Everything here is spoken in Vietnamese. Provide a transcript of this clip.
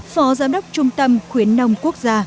phó giám đốc trung tâm khuyến nông quốc gia